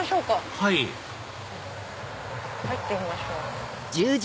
はい入ってみましょう。